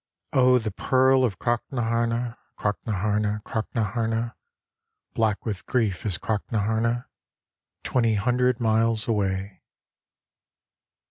Oh, the pearl of Crocknaharna ( Crocknaharna, Crocknaharna) , Black with grief is Crocknaharna Twenty hundred miles away.